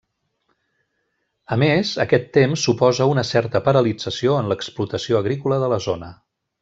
A més, aquest temps suposa una certa paralització en l'explotació agrícola de la zona.